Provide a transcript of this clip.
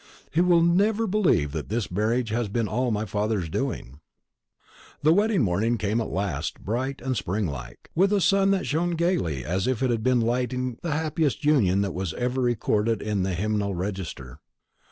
He will never believe that this marriage has been all my father's doing." The wedding morning came at last, bright and spring like, with a sun that shone as gaily as if it had been lighting the happiest union that was ever recorded in the hymeneal register.